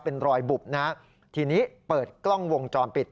เป็นรอยบุบนะฮะทีนี้เปิดกล้องวงจรปิด